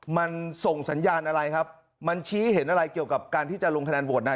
มันส่งสัญญาณอะไรครับมันชี้เห็นอะไรเกี่ยวกับการที่จะลงคะแนนโหวตนาย